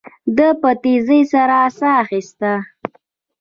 ده په تيزۍ سره ساه اخيسته.